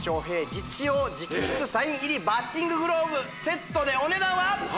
実使用直筆サイン入りバッティンググローブセットでお値段は？